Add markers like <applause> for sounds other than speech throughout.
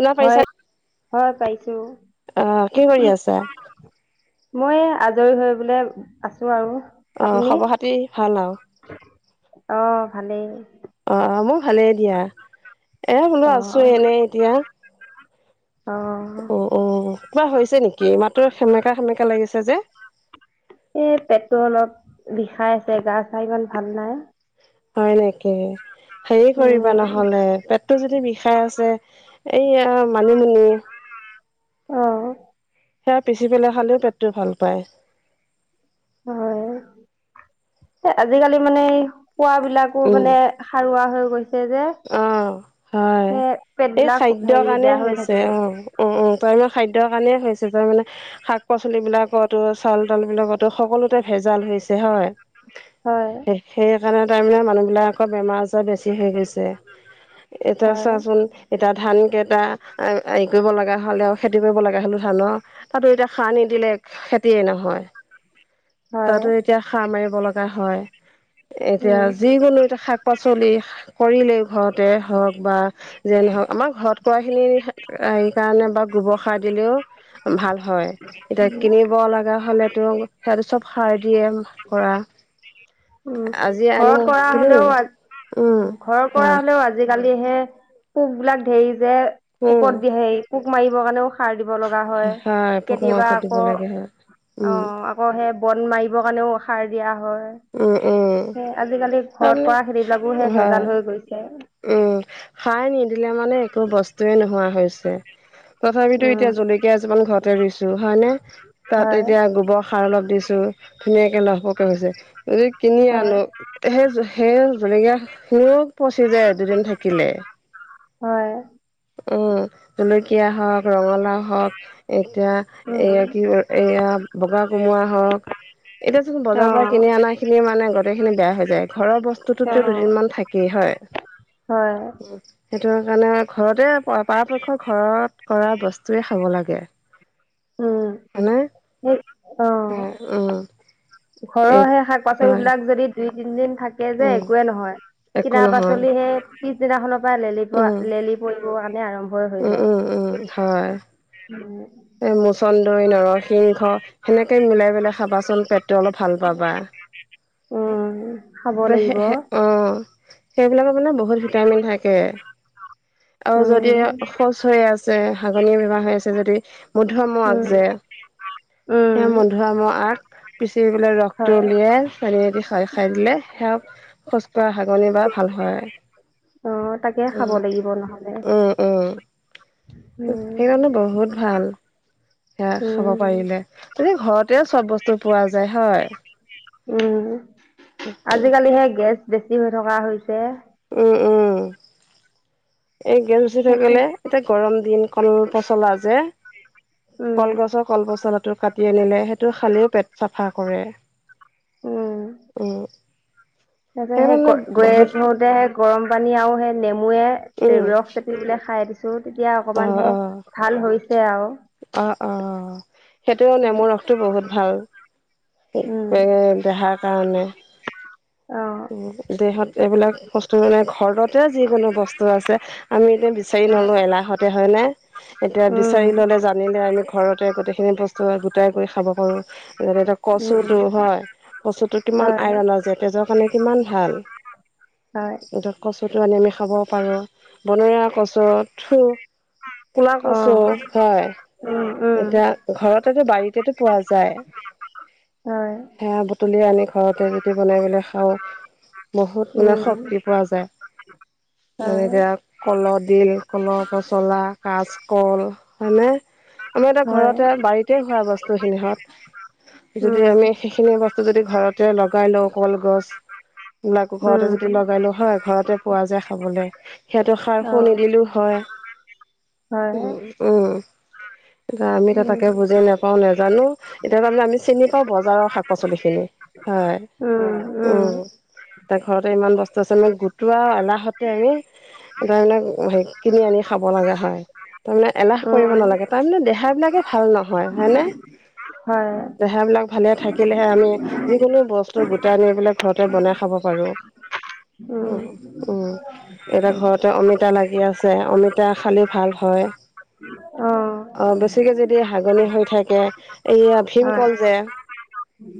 শুনা পাৰিছা হয়, হয় পাইছো। অ, কি কৰি আছা? মই আজৰি হৈ পেলে আছো আৰু। অ আপুনি খবৰ খাতি ভাল আও। অ ভালেই। অ মোৰ ভালেই দিয়া। এ অ বোলো আছো এনে এতিয়া। অ অ, অ কিবা হৈছে নেকি মাততো সেমেকা সেমেকা লাগিছে যে। এই পেটটো অলপ বিষাই আছে গা চা ইমান ভাল নাই। হয় নেকি হেৰি উম কৰিবা নহলে পেট টো যদি বিষাই আছে এইয়া মানিমুনি। উ'ম। <unintelligible> অ'হ। সেয়া পিচি পেলাই খালেই পেটটো ভাল পায়। হয় এ আজিকালি মানে খুৱা বিলাকো উম, মানে সাৰুৱা হৈ গৈছে যে। অ হয় সে পেট এই বিলাক খাদ্যৰ হেৰি কাৰণে বেয়া হৈ হৈছে থাকে অ। উম, উম তাৰ মানে খাদ্যৰ কাৰণে হৈছে তাৰ মানে। শাক পাচলি বিলাকতো চাউল তাউল বিলাকতো সকলোতে ভেজাল হৈছে হয়। হয় সেইকাৰণে তাৰমানে মানুহবিলাকৰ বেমাৰ আজাৰ বেছি হৈ গৈছে। এতিয়া হয় চাচোন এতিয়া ধান কেইটা। হেৰি কৰিব লগা হ'লে আৰু খেতি কৰিব লগা হ'লে ধানৰ তাতো এতিয়া সাৰ নিদিলে খেতিয়ে নহয়। হয় তাতো এতিয়া সাৰ মাৰিব লগা হয় উম এতিয়া। যিকোনো এটা শাক পাচলি কৰিলেও ঘৰতে হওক বা। যে নহওক আমাৰ ঘৰত কৰা খিনি এই কাৰণে বা গোবৰ সাৰ দিলেও ভাল হয় এতিয়া উম কিনিব লগা হ'লেতো সেয়াতো চব সাৰ দিয়ে কৰা। উম আজি আনিম ঘৰত কৰা হলেও কিনি উ উম ঘৰত কৰা হয় হলেও আজিকালি হে পোকবিলাক ধেই যে উম পোকত দিয়ে সে পোক মাৰিবৰ কাৰণেও সাৰ দিব লগা হয় পোক কেতিয়াবা মৰাষত দিব আকৌ লাগে হয় উম অ আকৌ হে বন মাৰিবৰ কাৰণেও সাৰ দিয়া হয়। উম, উম। আজিকালি ঘৰত তাৰমানে কৰা খেতিবিলাকো হে হয় ভেজাল হৈ গৈছে। উম সাৰ নিদিলে মানে একো বস্তুয়ে নোহোৱা হৈছে। তথাপিতো এতিয়া উম, জলকীয়া এজোপা ঘৰতে ৰুছো হয় নে তাত হয়, এতিয়া গোবৰ সাৰ অলপ দিছো ধুনীয়াকে লহ পহকে হৈছে। যদি কিনি হয়, আনো সেই সেই জলেকীয়া খিনিও পইচা হয় উম জলকীয়া হওক ৰঙালাও হওক। এতিয়া এইয়া উম, কি এয়া বগা কোমোৰা হওক। এতিয়া চোন বজাৰ পৰা অ', কিনি অনা খিনি মানে গোটেইখিনি বেয়া হৈ যায় ঘৰৰ বস্তুতোত অ', দুদিনমান থাকে। হয়। সেইটো কাৰণে ঘৰতে পৰাপক্ষ ঘৰত কৰা বস্তু টোৱে খাব লাগে। উম হয়নে অ উম ঘৰৰ এই সেই শাক-পাচলি হয় বিলাক যদি দুই-তিনদিন থাক তে যে উম একোৱে নহয়। একো কিনা নহয় পাচলি সেই পিছদিনাখনৰ পৰা লেলি পা উম লেলি পৰিব কাৰণে আৰম্ভই হৈ উম যায়। উম <unintelligible> এ মোচন্দৈ, নৰসিংহ সেনেকে মিলাই পেলাই খাবাচোন পেটটো অলপ ভাল পাবা। উম, খাব লাগিব অঁ সেইবিলাকৰ মানে বহুত ভিটামিন থাকে। আৰু যদি উম শৌচ হৈ আছে, হাগনি বেমাৰ হৈ আছে যদি মধু আমৰ আগ উম যে উম সেই মধু আমৰ আগ পিচি পেলাই ৰসটো হয় উলিয়াই পানী এদী খাই খাই দিলে, সেয়া শৌচ কৰা হাগনি বা ভাল হয়। অ তাকে খাব উম লাগিব নহ'লে উম উম। উম সেইকাৰণে বহুত ভাল। সেয়া উম খাব পাৰিলে, যদি ঘৰতে চব বস্তু পোৱা যায় হয়। উম আজিকালিহে গেছ বেছি হৈ থকা হৈছে। উম, উম, এই গেছ উঠি তাকে থাকিলে এতিয়া গৰম দিন কল পচলা যে উম কলগছৰ কল পচলাটো কাটি আনিলে সেইটো খালেও পেট চাফা কৰে। উম। <unintelligible> হে সেইকাৰণে বহুত গৰম পানী আৰু সেই নেমুয়ে উম ৰস চেপি পিলে খাই দিছোঁ। চো তেতিয়া অ অকমান হে অ ভাল হৈছে আৰু। অ' অ' সেইটো নেমুৰ ৰসটো বহুত ভাল। উম এ দেহাৰ কাৰণে। অ'। দেহত এইবিলাক বস্তু মানে ঘৰত তে যিকোনো বস্তু আছে, আমি এতিয়া বিচাৰি নলওঁ এলাহতে। হয়নে? এতিয়া বিচাৰি উম ল'লে জানিলে আমি ঘৰতে গোটেইখিনি বস্তু গোটাই কৰি খাব পাৰোঁ। <unintelligible> কচুটো উম হয়, কচুটো কিমান হয় আইৰন আছে তেজৰ মানে কিমান ভাল হয় কচুটো আনি আমি খাব পাৰোঁ, বনৰীয়া কচু থুৰ, কোলা অ কচু হয়। উম উম। এতিয়া ঘৰতেটো বাৰীতেটো পোৱা যায় হয় সেয়া বুটলি আনি ঘৰতে যদি বনাই পেলাই খাওঁ, বহুত মানে উম শক্তি পোৱা যায়। মানে হয় এতিয়া কলহ ডিল, কল পচলা, কাচ কল। হয়নে? আমি এতিয়া হয় ঘৰতে বাৰীতে হোৱা বস্তুখিনিহত যদি উম আমি সেইখিনি বস্তু যদি ঘৰতে লগাই লও কলগছ। গোলাকো ঘৰতে যদি উম লগাই লও হয়, ঘৰতে পোৱা যায় খাবলে। সিয়াতে সাৰ অ খুৱ নিদিলেও হয়। হয় উম উম! এতিয়া আমি উম তাকে বুজি নাপাও, নাজানো এতিয়া তাৰমানে আমি চিনি পাও বজাৰৰ শাক-পাচলি খিনি। হয় উম! এতিয়া ঘৰতে ইমান বস্তু তাৰছত আমি গোটোৱা এলাহতে আমি তাৰমানে হেই কিনি আনি খাব লগা হয়, তাৰমানে এলাহ কৰিব উম নালাগে। তাৰমানে দেহা <unintelligible> বিলাকে ভাল নহয়। হয়নে? হয় দেহা বিলাক ভালে থাকিলেহে আমি যিকোনো বস্তু গোটাই নি পেলাই ঘৰতে বনাই খাব পাৰোঁ। উম উম, এতিয়া ঘৰত ত অমিতা লাগি আছে অমিতা খালি ভাল হয়, অ অঁ বছ- ছিকে যদি হাগনি হৈ থাকে, এইয়া হয় ভীমকল যে-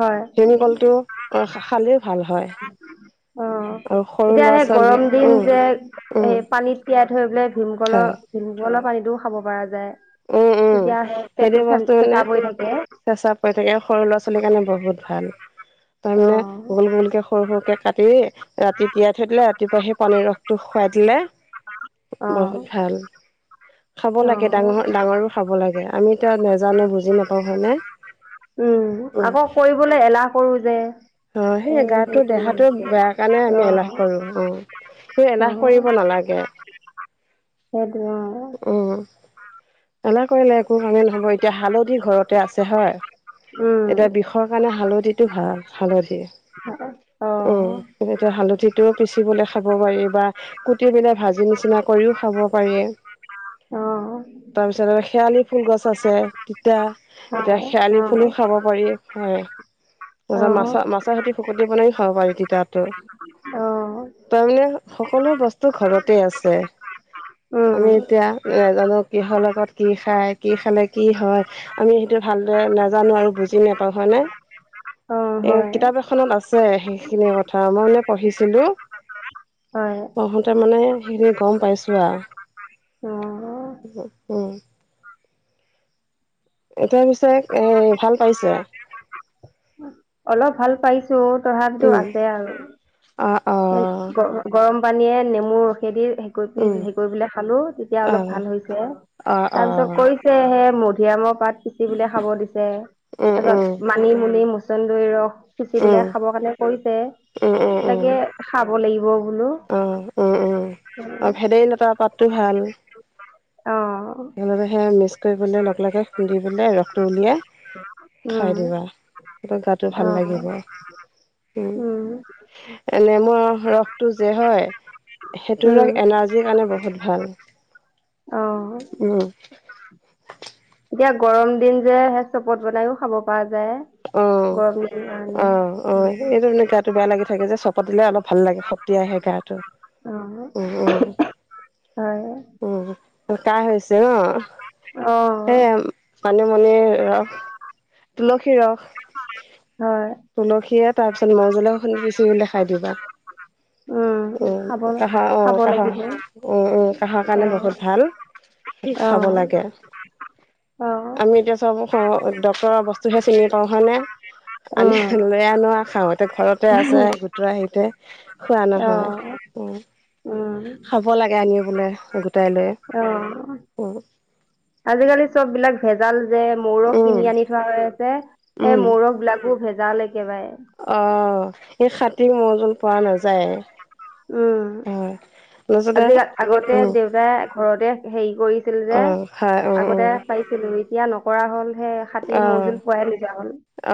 হয় চেনিকলটো খালেই ভাল হয়। অ আৰু সৰু এতিয়া ল'ৰা সেই ছোৱালী গৰম দিন উম, যে উম এই পানীত তিয়াই থৈ পেলাই হয়। ভীমকললৰ- ভীমকলৰ পানীতোও খাব পৰা যায়, উম উম তেতিয়াহে পেটটো চেচা পৰি থাকে। চেচা পৰি থাকে সৰু ল'ৰা ছোৱালীৰ কাৰণে বহুত ভাল, অ তাৰমানে ভূল-ভূলকে- সৰু-সৰুকে কাটি ৰাতি তিয়াই থৈ দিলে ৰাতিপুৱা সেই পানীৰ ৰসটো খুৱাই দিলে- অ বহুত ভাল, খাব অ লাগে ডাঙৰ- ডাঙৰো খাব লাগে, আমি এতিয়া নাজানো বুজি নাপাওঁ হয়নে, উম। বোলে এলাহ কৰো যে। অ, সেই এই গাটো সেইটোৱে দেহাটো হৈছে বেয়া কাৰণে আমি অ এলাহ কৰো, অঁ। সেই অ এলাহ কৰিব নালাগে। সেইটোৱে অঁ। উম' এলাহ কৰিলে একো কাৰণে না- নহব, এতিয়া হালধি ঘৰতে আছে হয়, উম এতিয়া বিষ- ষৰ কাৰণে হালধিটো ভাল হালধি। <unintelligible> উম, এইটোৱে হালধিটোও পিচিবলে খাব পাৰি বা- কুটি পেলাই ভাজি নিচিনা কৰিও খাব পাৰি। অঁ'। তাৰপিছত আৰু শেৱালি- ফুল গছ আছে তিতা, এতিয়া হয় অ শেৱালি ফুলো খাব পাৰি হয়। অ তাছত মাছ মাছৰ সেতি শোকতি বনাইও খাব পাৰি তিতাতো। অ তাৰমানে সকলো বস্তু ঘৰতেই আছে। অঁ'। আমি এতিয়া নেজানো কিহৰ লগত কি খায়? কি খালে কি হয়? আমি সেইটো ভালদৰে নাজানো আৰু বুজি নাপাওঁ হয় নে? অ এ হয় কিতাপ এখনত আছে সেইখিনি কথা মই মানে পঢ়িছিলো। হয় পঢ়োতে মানে সেইখিনি গম পাইছো আৰু। অঁ'। উম'। এতিয়া পিছে এ ভাল পাইছে? অলপ ভাল পাইছো, তথাপিতো আছে আৰু। অঁ' অঁ'। উম গৰম গৰম পানীয়ে নেমু ৰসেদি- কৰি উম পিনি হেই কৰি পেলাই খালো, তেতিয়া অ অলপ ভাল হৈছে। অ অ তাৰ পিছত কৰি- ছে সেয়ে মধিয়ামৰ পাত পিচি পেলাই খাব দিছে, উম উম তাছত মানিমুনি মচ- চন্দৰি ৰস পিচি উম পেলাই খাব কাৰণে কৰিছে, উম তাকে খাব লাগিব বোলো। অঁ অঁ অঁ, অঁ ভেদাইলতা পাতটো ভাল। অ', একেলগে সেয়া মিক্স কৰি পেলাই লগে লগে খুন্দি পেলাই ৰসটো উলিয়াই- উম। খাই দিবা, তেতিয়া গাটো ভাল অ', লাগিব। উম'। এ নেমুৰ ৰসটো যে হয়- সেইটো ৰস উম, এনাৰ্জীৰ কাৰণে বহুত ভাল। অঁ'। উম'। এতিয়া গৰম দিন যে সেই চৰ্বত বনাইও খাব পৰা যায়। অঁ', গৰম দিন কাৰণে। -অঁ', -অঁ', এইটো এনেই গা টো বেয়া লাগি থাকে যে চৰ্বত দিলে অলপ ভাল লাগে শক্তি আহে গাটো। অ', উমঁ-উমঁ। হয়। উমঁ, তো কাহ হৈছে ন' অ সেইয়া- মানিমুনি ৰস, তুলসী ৰস, হয়। তুলসীয়ে তাৰপিছত মৌজুলে অকণ পিচি কিনে খাই দিবা। উম উমঁ, খাব কাহ খাব উম' কাহ। লাগিব উমঁ-উমঁ। কাহৰ কাৰণে অ বহুত ভাল দি অ খাব লাগে। অ আমি- এতিয়া চব ডক্তৰৰ বস্তুহে চিনি পাওঁ হয়নে উম আনি লৈ আনো আও খাওঁ। তে ঘৰতে আছে গোটৰা হেৰিতে খোৱা অ নহয়, উমঁ। উম খাব লাগে আনি বলে গোটাই লৈ, অ উমঁ। আজিকালি চববিলাক ভেজাল যে- মৌ ৰস উম কিনি আনি থোৱা হৈ আছে সেই উম মৌ ৰস বিলাকো ভেজাল একেবাৰে। অ', সেই খাটি মৌ জোল পোৱা নাযায়। উমঁ। হয়। তাৰপিছতে আজি আগতে উম, দেউতাই ঘৰতে হেৰি কৰিছিল অ', খাই যে- উম, আগতে উম, পাইছিলো এতিয়া নকৰা হ'ল হে খাটি মৌজুল পোৱা নাযায়।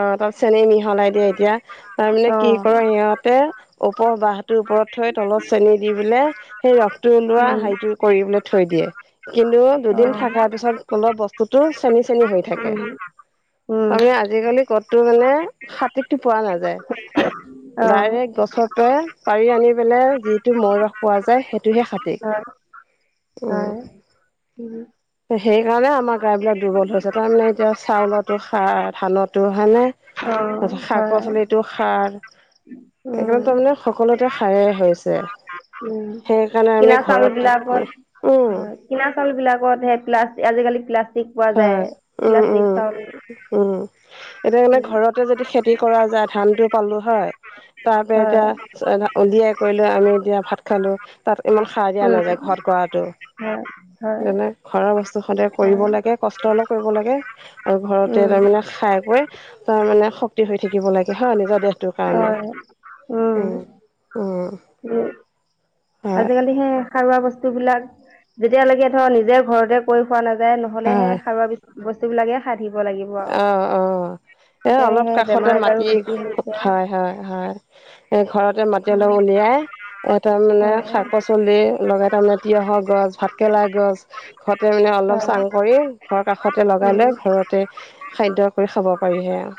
অঁ', তা'ত চেনি মিহলাই দিয়ে এতিয়া, তাৰ মানে অ কি কৰে সিহঁতে- ওপৰ বাহটোৰ ওপৰত থৈ তলত চেনি দি পেলাই- সেই ৰসটো ওলোৱা উম হেৰিটো কৰিবলৈ থৈ দিয়ে কিন্তু অ দুদিন থকাৰ পিছত- তলৰ বস্তুতো চেনি-চেনি হৈ থাকে। উম উম তাৰমানে আজিকালি ক'তো মানে খাটিটো পোৱা নাযায়। অ ডাইৰেক্ট গছৰতে পাৰি আনি- পেলাই যিটো মৌ ৰস পোৱা যায় সেইটোহে খাটি। হয় হয়, উম'। সেইকাৰণে আমাৰ গা বিলাক দুৰ্বল হৈছে তাৰমানে এতিয়া- চাউলতো সাৰ, ধানতো হয়নে, অ তাৰপিছত হয় শাক-পাচলিতো সাৰ। সেইকাৰণে উম তাৰমানে সকলোতে সাৰেই হৈছে। উম সেইকাৰণে আমি কিনা চাউল ঘৰতে, বিলাকত উমহ-উমঁ। হয় কিনা চাউলবিলাকত হে প্লাষ্টিক আজিকালি প্লাষ্টিক পোৱা যায় প্লাষ্টিক চাউল। উমঁ, এতিয়া সেকাৰণে উম ঘৰতে যদি খেতি কৰা যায় ধানটো পালো হয়। তাৰ পৰা হয় এতিয়া উলিয়াই কৰি লৈ আমি এতিয়া ভাত খালো। তা'ত- ইমান সাৰ দিয়া উম নাযায় ঘৰত কৰাতো। হয়, হয়। ঘৰৰ বস্তু সদায় কৰিব হয় লাগে কষ্ট অলপ কৰিব লাগে আৰু ঘৰতে উম তাৰমানে খাই কৈ- তাৰ মানে শক্তি হৈ থাকিব লাগে হয় নিজৰ দেহটোৰ কাৰণে। হয় উম, উম। উম, হয় আজিকালি সেই সাৰুৱা বস্তুবিলাক যেতিয়ালৈকে ধৰ নিজে ঘৰতে কৈ খোৱা না- যায় নহ'লে সেই হয় সাৰুৱা বস্তুবিলাকে খাই থাকিব লাগিব আৰু। অঁ অঁ এ' অলপ তেতিয়াহে কাষতে বেমাৰ আজাৰো মাটি, বেছি হৈছে হয়-হয়-হয়। ঘৰতে মাটি উম, অলপ উলিয়াই- এ' তাৰমানে শাক-পাচলি লগাই তাৰ মানে তিয়ঁহৰ গছ, ভাতকেৰেলাৰ গছ ষতে মানে অলপ চাং কৰি, ঘৰ কাষতে লগাই লৈ ঘৰত তে খাদ্য কৰি খাব পাৰি হে আউ।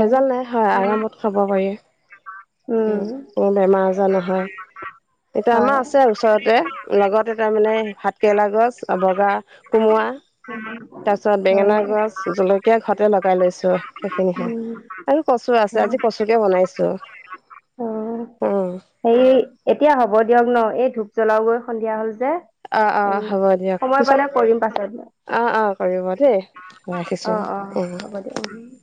ভেজাল নাই হয়, আৰামত খাব পাৰি। উম, কোনো বেমাৰ আজাৰ নহয়। এতিয়া আমাৰ হয়। আছে ওচৰতে লগতে তাৰমানে ভাতকেৰেলা গছ আ বগা কোমোৰা তাৰপিছত বেঙেনা। উম, গছ জলকীয়া ঘৰতে লগাই লৈছোঁ, সেইখিনি হত। আৰু কচু আছে, আজি কচুকে বনাইছোঁ, উম। হেয়ি এতিয়া হ'ব দিয়ক ন' এই ধূপ জ্বলাওঁগৈ সন্ধিয়া হ'ল যে। অ', এই অ', হ'ব দিয়ক, সময় পিছত পালে কৰিম পাছত অ', অ', কৰিব দেই, অ ৰাখিছোঁ অ উম। হ'ব দিয়ক <unintelligible>